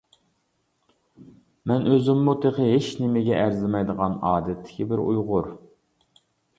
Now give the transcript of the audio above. مەن ئۆزۈممۇ تېخى ھېچنېمىگە ئەرزىمەيدىغان ئادەتتىكى بىر ئۇيغۇر.